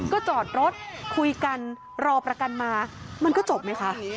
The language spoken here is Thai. ก็จอดรถคุยกันรอประกันมามันก็จบไหมคะ